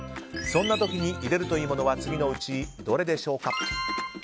そんな時に入れるといいものは次のうちどれでしょうか？